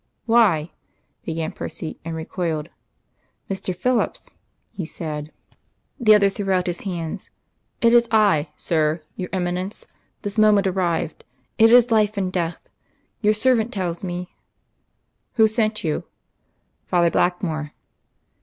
"Why " began Percy, and recoiled. "Mr. Phillips!" he said. The other threw out his hands. "It is I, sir your Eminence this moment arrived. It is life and death. Your servant tells me " "Who sent you?" "Father Blackmore."